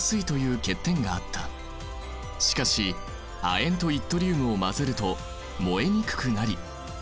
しかし亜鉛とイットリウムを混ぜると燃えにくくなりなおかつ